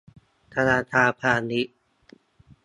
ธนาคารพาณิชย์